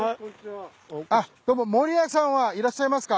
どうも森谷さんはいらっしゃいますか？